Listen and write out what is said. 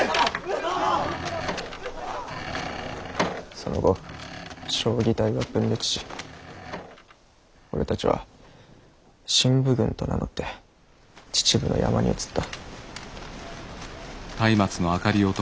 その後彰義隊は分裂し俺たちは振武軍と名乗って秩父の山に移った。